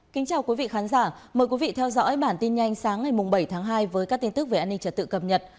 kính chào quý vị khán giả mời quý vị theo dõi bản tin nhanh sáng ngày bảy tháng hai với các tin tức về an ninh trật tự cập nhật